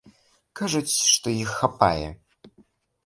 Кажуць, што іх хапае.